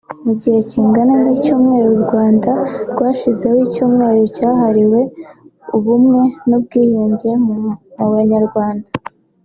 Mu gihe kingana n’icyumweru u Rwanda rwashyizeho icyumweru cyahariwe ubumwe n’ubwiyunge mu banyarwanda